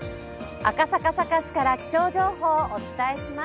赤坂サカスから気象情報をお伝えします。